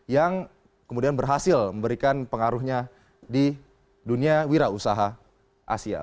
yang kemudian berhasil memberikan pengaruhnya di dunia wira usaha asia